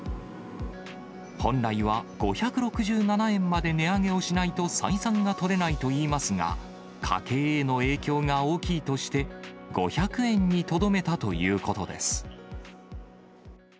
本来は５６７円まで値上げをしないと採算が取れないといいますが、家計への影響が大きいとして、５００円にとどめたということです。